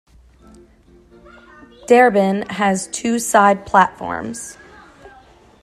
Darebin has two side platforms.